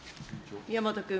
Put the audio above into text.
宮本君。